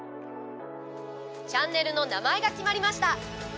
チャンネルの名前が決まりました。